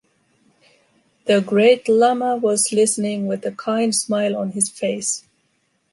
The Great lama was listening with a kind smile on his face.